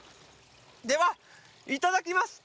では、いただきます！